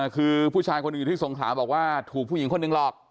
คือผู้ชายคนอื่นที่สงขลาบอกว่าถูกผู้หญิงคนหนึ่งหลอก